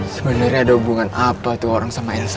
sebenarnya ada hubungan apa tuh orang sama instag